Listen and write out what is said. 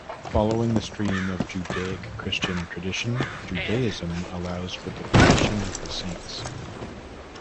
Following the stream of Judaic-Christian tradition, Judaism allows for the petition of the saints.